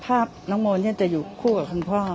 ภาพนางมณ์นี้จะอยู่คู่กับคุณพ่อ